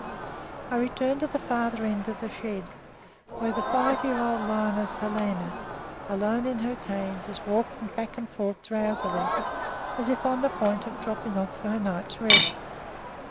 I return to the farther end of the shed, where the five year old lioness Helena, alone in her cage, is walking back and forth drowsily, as if on the point of dropping off for her night's rest.